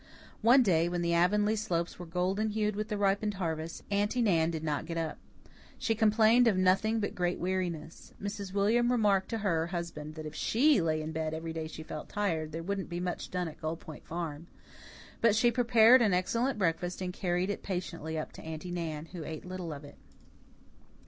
One day, when the Avonlea slopes were golden hued with the ripened harvest, Aunty Nan did not get up. She complained of nothing but great weariness. Mrs. William remarked to her husband that if SHE lay in bed every day she felt tired, there wouldn't be much done at Gull Point Farm. But she prepared an excellent breakfast and carried it patiently up to Aunty Nan, who ate little of it.